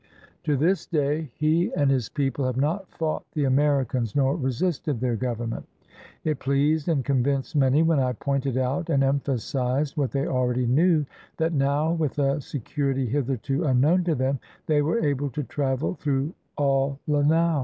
To this day he and his people have not fought the Americans, nor resisted their government. It pleased and convinced many when I pointed out and emphasized, what they already knew, that now, with a security hitherto unknown to them, they were able to travel through all Lanao.